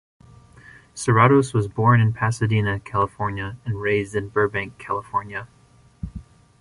Serratos was born in Pasadena, California and raised in Burbank, California.